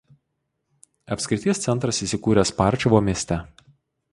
Apskrities centras įsikūręs Parčevo mieste.